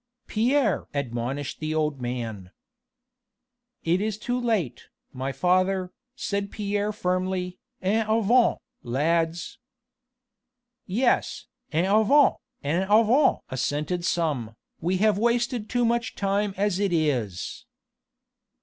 "Pierre!" admonished the old man. "It is too late, my father," said Pierre firmly, "en avant, lads!" "Yes! en avant! en avant!" assented some, "we have wasted too much time as it is."